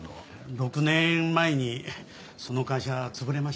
６年前にその会社潰れましてね。